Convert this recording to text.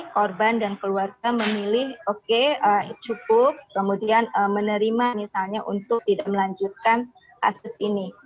korban dan keluarga memilih oke cukup kemudian menerima misalnya untuk tidak melanjutkan kasus ini